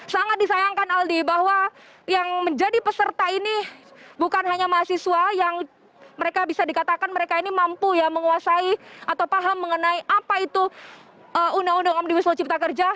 sangat disayangkan aldi bahwa yang menjadi peserta ini bukan hanya mahasiswa yang mereka bisa dikatakan mereka ini mampu ya menguasai atau paham mengenai apa itu undang undang omnibus law cipta kerja